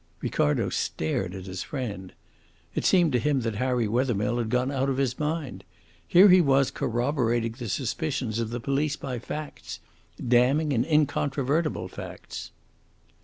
Ricardo stared at his friend. It seemed to him that Harry Wethermill had gone out of his mind. Here he was corroborating the suspicions of the police by facts damning and incontrovertible facts.